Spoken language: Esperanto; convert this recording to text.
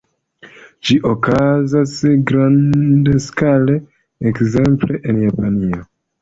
Ĝi okazas grandskale, ekzemple en Japanio.